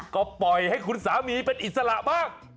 ก็ปล่อยให้คุณสามีเป็นอิสระบ้าง